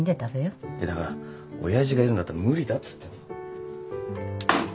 いやだから親父がいるんだったら無理だっつってんの。